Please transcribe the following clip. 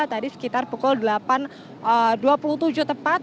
tadi sekitar pukul delapan dua puluh tujuh tepat